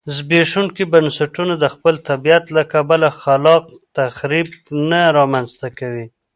زبېښونکي بنسټونه د خپل طبیعت له کبله خلاق تخریب نه رامنځته کوي